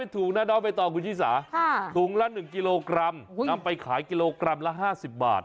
ถุงละ๑กิโลกรัมนำไปขายกิโลกรัมละ๕๐บาท